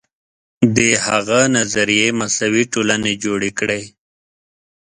د هغه نظریې مساوي ټولنې جوړې کړې.